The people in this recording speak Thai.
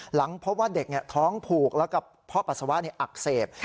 หลังพบว่าเด็กท้องผูกแล้วก็เพราะปัสสาวะอักเสบ